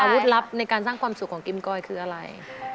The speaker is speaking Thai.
วุฒิลับในการสร้างความสุขของกิมกอยคืออะไร